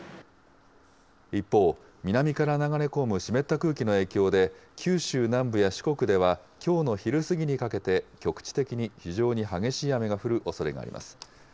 一方、南から流れ込む湿った空気の影響で、九州南部や四国では、きょうの昼過ぎにかけて、局地的に非常に激しい雨が降るおそれがあります。